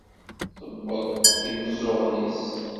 Tewweḍ imeẓẓuɣen-is.